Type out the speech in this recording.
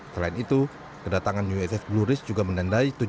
selain itu kedatangan uss blue risk juga menandai